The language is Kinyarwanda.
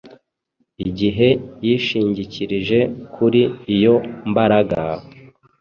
Igihe yishingikirije kuri iyo Mbaraga,